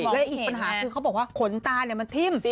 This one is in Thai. และอีกปัญหาคือเขาบอกว่าขนตามันทิ่ม